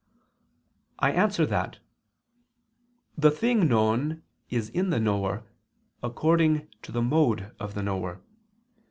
I answer that, The thing known is in the knower according to the mode of the knower.